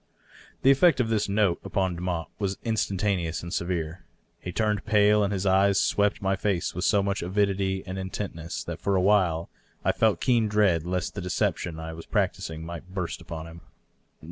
The effect of this note upon Demotte was instantaneous and severe. He turned pale, and his eyes swept my face with so much avidity and intentness that for a while I felt keen dread lest the deception I was practising might burst upon him.